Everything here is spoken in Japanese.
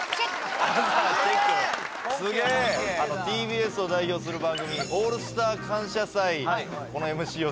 あのＴＢＳを代表する番組「オールスター感謝祭」